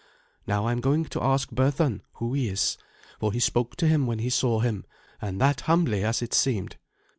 Now, I am going to ask Berthun who he is, for he spoke to him when he saw him, and that humbly, as it seemed."